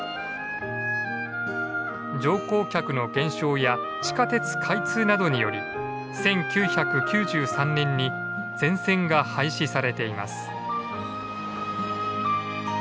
乗降客の減少や地下鉄開通などにより１９９３年に全線が廃止されています。